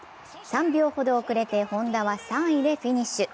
３秒ほど遅れて、本多は３位でフィニッシュ。